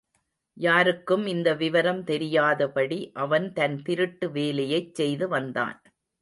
யாருக்கும் இந்த விவரம் தெரியாதபடி அவன் தன் திருட்டு வேலையைச் செய்து வந்தான்.